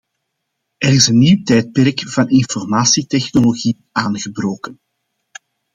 Er is een nieuw tijdperk van informatietechnologie aangebroken.